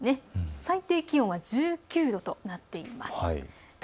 最低気温は１９度となっています。